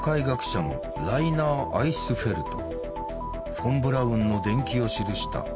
フォン・ブラウンの伝記を記した。